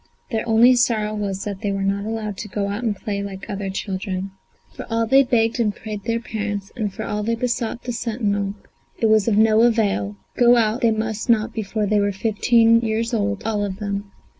Their only sorrow was that they were not allowed to go out and play like other children. For all they begged and prayed their parents, and for all they besought the sentinel, it was of no avail; go out they must not before they were fifteen years old, all of them.